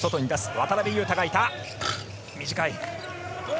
渡邊雄太が行った、短い。